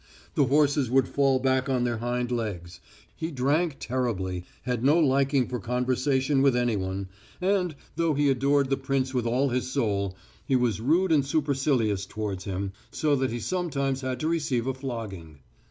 The horses would fall back on their hind legs. He drank terribly, had no liking for conversation with anyone, and, though he adored the prince with all his soul, he was rude and supercilious towards him, so that he sometimes had to receive a flogging.